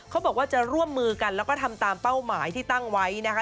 เขาบอกว่าจะร่วมมือกันแล้วก็ทำตามเป้าหมายที่ตั้งไว้นะคะ